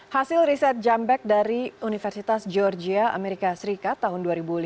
hasil riset jumpek dari universitas georgia amerika serikat tahun dua ribu lima